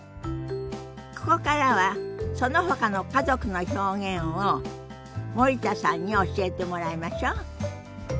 ここからはそのほかの家族の表現を森田さんに教えてもらいましょ。